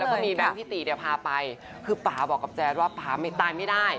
แล้วก็มีมั่งพิติเนี่ยภาไปคือป่าบอกกับแจ๊ว่าป่าตายไม่ได้